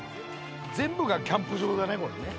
全部がキャンプ場だねこれね。